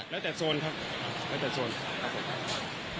แล้วแต่โซนครับ